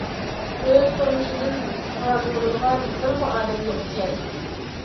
ئۆز تۇرمۇشىدىن رازى بولىدىغان بىرمۇ ئادەم يوق ئىكەن.